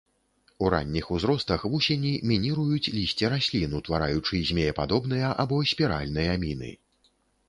У ранніх узростах вусені мініруюць лісце раслін, утвараючы змеепадобныя або спіральныя міны.